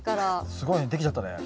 すごいねできちゃったね。